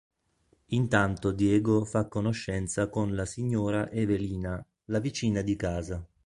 Intanto Diego fa conoscenza con la signora Evelina, la vicina di casa.